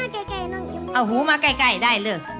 เอาหูมาใกล้น้องอิ๋ม